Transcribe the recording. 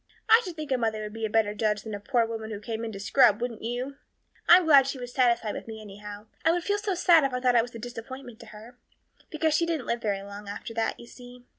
I should think a mother would be a better judge than a poor woman who came in to scrub, wouldn't you? I'm glad she was satisfied with me anyhow, I would feel so sad if I thought I was a disappointment to her because she didn't live very long after that, you see.